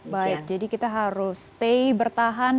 baik jadi kita harus stay bertahan